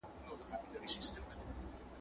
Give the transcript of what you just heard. « اتفاق په پښتانه کي پیدا نه سو,